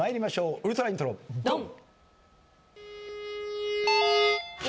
ウルトライントロドン！